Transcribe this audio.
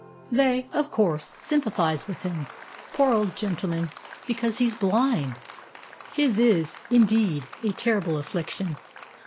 "They, of course, sympathise with him, poor old gentleman, because he's blind. His is, indeed, a terrible affliction.